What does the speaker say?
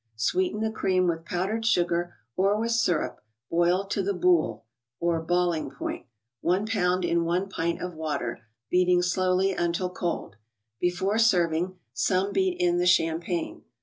Sweeten the cream with powdered sugar, or with syrup, boiled to the boule (or balling point), one pound in one pint of water, beating slowly until cold. Before serving, some beat in the champagne.